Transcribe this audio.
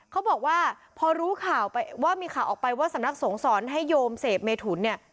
เขาบอกว่าพอรู้ข่าวไปว่ามีข่าวออกไปว่าสำนักสงสอนให้โยมเสพเมถุนเนี่ย